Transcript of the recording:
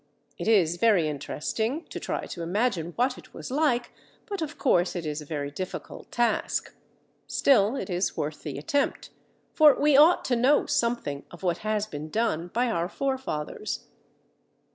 It is very interesting to try to imagine what it was like, but of course it is a very difficult task. Still it is worth the attempt, for we ought to know something of what has been done by our forefathers.